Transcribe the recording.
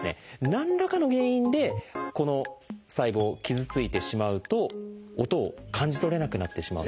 何らかの原因でこの細胞傷ついてしまうと音を感じ取れなくなってしまうんです。